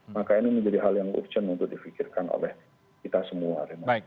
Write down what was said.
maka ini menjadi hal yang urgent untuk difikirkan oleh kita semua